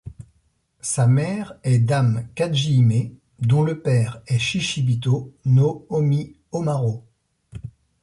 Sa mère est dame Kajihime dont le père est Shishibito no Omi Ōmaro.